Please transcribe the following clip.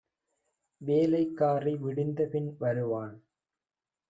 வேலைக் காரி விடிந்தபின் வருவாள்